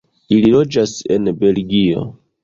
Ili loĝas en Belgio.